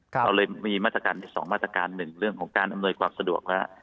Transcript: ก็เลยมีมาตรการที่สองมาตรการหนึ่งเรื่องของการอำนวยความสะดวก